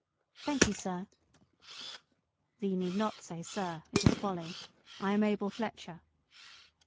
"Thank you, sir." "Thee need not say 'sir' it is folly. I am Abel Fletcher."